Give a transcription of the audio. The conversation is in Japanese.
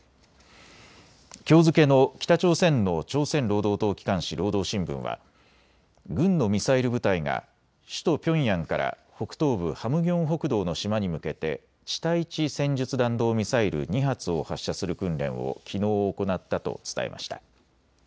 きょう付けの北朝鮮の朝鮮労働党機関紙、労働新聞は軍のミサイル部隊が首都ピョンヤンから北東部ハムギョン北道の島に向けて地対地戦術弾道ミサイル２発を発射する訓練をきのう行ったと伝えました。